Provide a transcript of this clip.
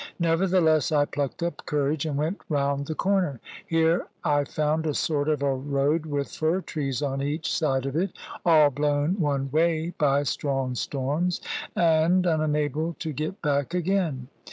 Nevertheless I plucked up courage, and went round the corner. Here I found a sort of a road with fir trees on each side of it, all blown one way by strong storms, and unable to get back again.